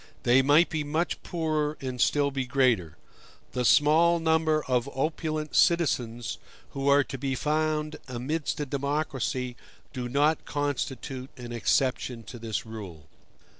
They might be much poorer and still be greater. The small number of opulent citizens who are to be found amidst a democracy do not constitute an exception to this rule.